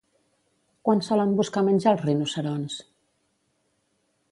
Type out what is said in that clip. Quan solen buscar menjar els rinoceronts?